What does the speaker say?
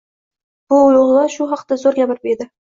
Bir ulug‘ zot shu haqda zo‘r gap aytib edi.